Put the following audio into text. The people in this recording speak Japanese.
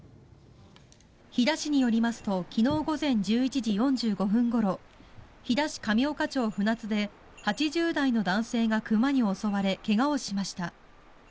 飛騨市によりますと昨日午前１１時４５分ごろ飛騨市神岡町船津で８０代の男性が熊に襲われ怪我をしました。